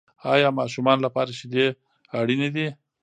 آیا ماشومانو لپاره شیدې اړینې دي؟